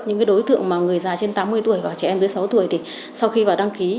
những đối tượng mà người già trên tám mươi tuổi và trẻ em dưới sáu tuổi thì sau khi vào đăng ký